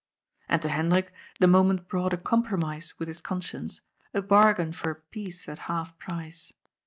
And to Hendrik the moment brought a compromise with his conscience, a bargain for peace at half price.